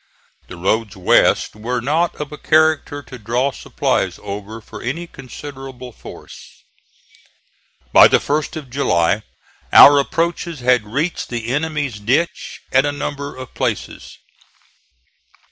The roads west were not of a character to draw supplies over for any considerable force. By the 1st of July our approaches had reached the enemy's ditch at a number of places.